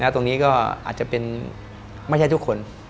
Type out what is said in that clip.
ตรงนี้ก็อาจจะเป็นไม่ใช่ทุกคน